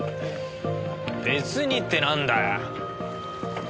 別にってなんだよ。